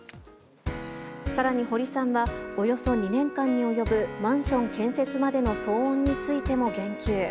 さらに堀さんは、およそ２年間に及ぶマンション建設までの騒音についても言及。